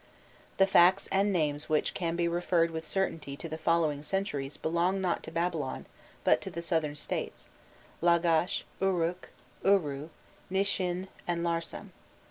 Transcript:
The facts and names which can be referred with certainty to the following centuries belong not to Babylon, but to the southern States, Lagash, Uruk, Uru, Nishin, and Larsam.